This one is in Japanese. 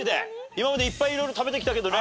今までいっぱい色々食べてきたけどね。